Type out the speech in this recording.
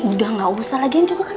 udah gak usah lagiin juga kan